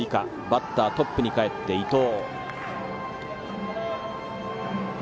バッター、トップにかえって伊藤。